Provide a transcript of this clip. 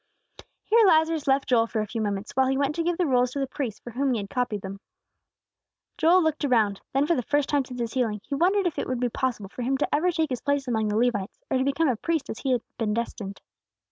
Here Lazarus left Joel for a few moments, while he went to give the rolls to the priest for whom he had copied them. Joel looked around. Then for the first time since his healing, he wondered if it would be possible for him to ever take his place among the Levites, or become a priest as he had been destined.